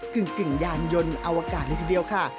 กึ่งยานยนต์อวกาศเลยทีเดียวค่ะ